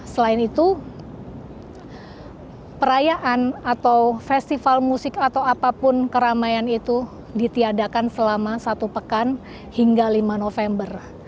selain itu perayaan atau festival musik atau apapun keramaian itu ditiadakan selama satu pekan hingga lima november